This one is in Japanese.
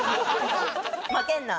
負けるな！